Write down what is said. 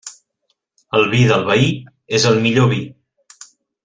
El vi del veí és el millor vi.